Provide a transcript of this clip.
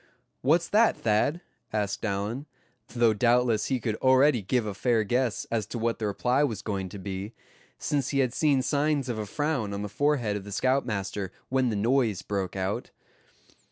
"What's that, Thad?" asked Allan, though doubtless he could already give a fair guess as to what the reply was going to be, since he had seen signs of a frown on the forehead of the scoutmaster when the noise broke out.